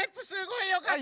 あよかった？